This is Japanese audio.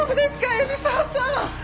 海老沢さん！